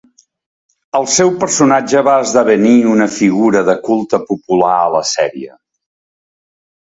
El seu personatge va esdevenir una figura de culte popular a la sèrie.